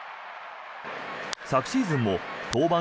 昨シーズンも登板